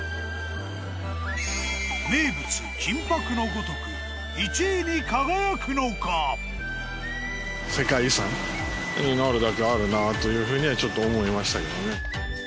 名物金箔のごとく１位に輝くのか？というふうにはちょっと思いましたけどね。